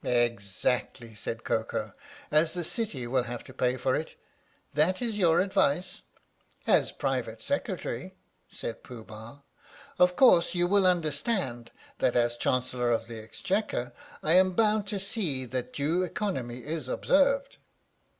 " Exactly," said Koko. " As the city will have to pay for it. That is your advice? " "As Private Secretary," said Pooh Bah. "Of course you will understand that as Chancellor of the Exchequer I am bound to see that due economy is observed."